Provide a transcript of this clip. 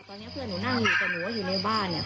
ตอนนี้เพื่อนหนูนั่งอยู่แต่หนูว่าอยู่ในบ้านเนี่ย